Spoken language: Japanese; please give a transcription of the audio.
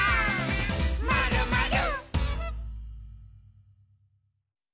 「まるまる」